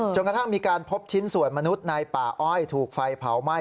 กระทั่งมีการพบชิ้นส่วนมนุษย์ในป่าอ้อยถูกไฟเผาไหม้